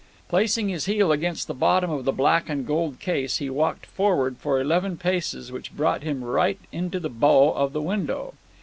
Placing his heel against the bottom of the black and gold case, he walked forward for eleven paces, which brought him right into the bow of the window.